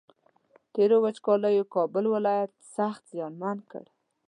تېرو وچکالیو کابل ولایت سخت زیانمن کړ